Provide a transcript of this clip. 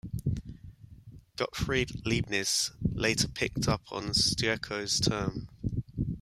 Gottfried Leibniz later picked up on Steuco's term.